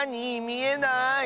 みえない。